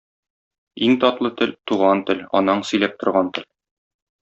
Иң татлы тел — туган тел, анаң сөйләп торган тел.